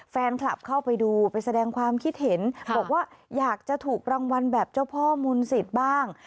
แฟนคลับเข้าไปดูไปแสดงความคิดเห็นบอกว่าอยากจะถูกรางวัลแบบเจ้าพ่อมนต์สิทธิ์บ้าง